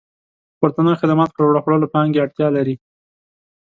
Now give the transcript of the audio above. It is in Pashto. پورتنيو خدماتو پرمخ وړلو پانګې اړتيا لري.